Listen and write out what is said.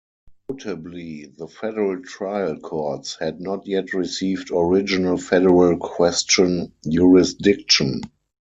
Notably, the federal trial courts had not yet received original federal question jurisdiction.